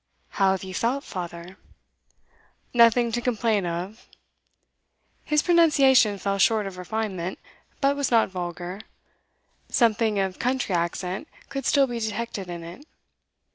'How have you felt, father?' 'Nothing to complain of.' His pronunciation fell short of refinement, but was not vulgar. Something of country accent could still be detected in it.